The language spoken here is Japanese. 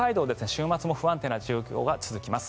週末も不安定な状況は続きます。